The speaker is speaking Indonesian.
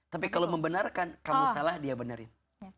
tapi kalau membenarkan kamu salah dia benerin